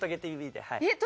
えっ？